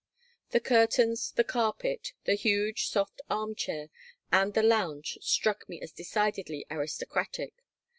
The curtains, the carpet, the huge, soft arm chair, and the lounge struck me as decidedly "aristocratic."